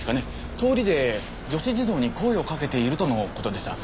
通りで女子児童に声をかけているとの事でした。